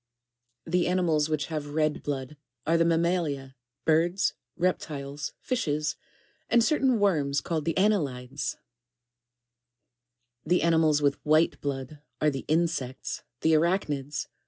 17. The animals which have red blood, are the mammalia, birds, reptiles, fishes, and certain worms called "Annelides." 18. The animals with white blood, are the insects, theArach nides.